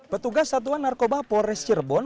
petugas satuan narkoba polres cirebon